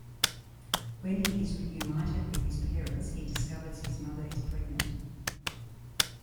When he is reunited with his parents, he discovers his mother is pregnant.